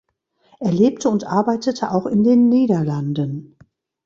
Er lebte und arbeitete auch in den Niederlanden.